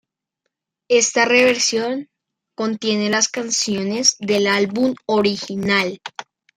Esta reversión, contiene las canciones del álbum original.